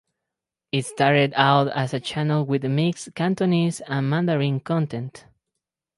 It started out as a channel with mixed Cantonese and Mandarin content.